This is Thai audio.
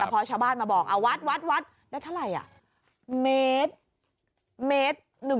แต่พอชาวบ้านมาบอกเอาวัดวัดวัดแล้วเท่าไรอ่ะเมตรเมตรหนึ่ง